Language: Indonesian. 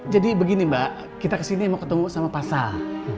jadi begini mbak kita kesini mau ketemu sama pak sal